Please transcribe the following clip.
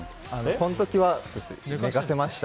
この時は寝かせました。